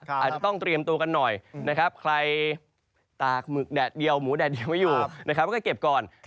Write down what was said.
อาจจะต้องเตรียมตัวกันหน่อยนะครับใครตากหมึกแดดเดียวหมูแดดเดียวไม่อยู่นะครับก็เก็บก่อน